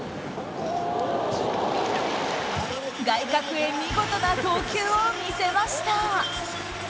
外角へ見事な投球を見せました。